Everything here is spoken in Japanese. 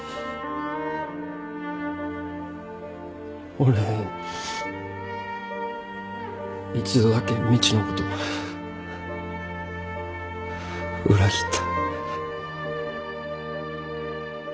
俺一度だけみちのこと裏切った。